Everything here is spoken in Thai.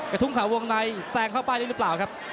กับทุ่งขาวงในแซงเข้าไปได้หรือเปล่าครับ